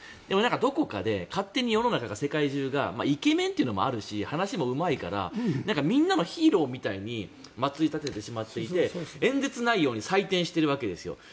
でもどこかで勝手に世の中、世界中がイケメンというのもあるし話もうまいからみんなのヒーローみたいに祭り立ててしまっていて演説内容に採点しているわけですよ。